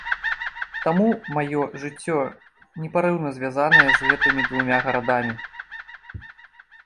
Таму маё жыццё непарыўна звязанае з гэтымі двума гарадамі.